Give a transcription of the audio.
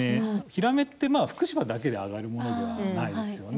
ヒラメって福島だけで揚がるものではないですよね。